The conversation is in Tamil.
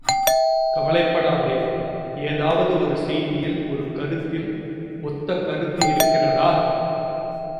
கவலைப்படாதே ஏதாவது ஒரு செய்தியில் ஒரு கருத்தில் ஒத்தகருத்து இருக்கிறதா?